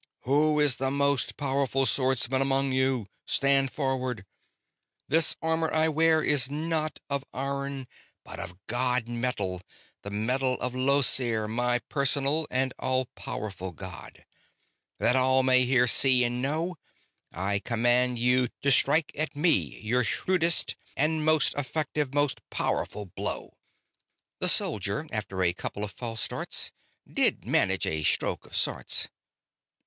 "Who is the most powerful swordsman among you?... Stand forward.... This armor I wear is not of iron, but of god metal, the metal of Llosir, my personal and all powerful god. That all here may see and know, I command you to strike at me your shrewdest, most effective, most powerful blow." The soldier, after a couple of false starts, did manage a stroke of sorts.